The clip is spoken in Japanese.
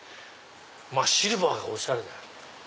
シルバーがおしゃれだな。